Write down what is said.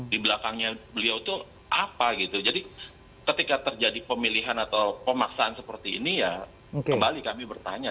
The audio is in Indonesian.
di belakangnya beliau itu apa gitu jadi ketika terjadi pemilihan atau pemaksaan seperti ini ya kembali kami bertanya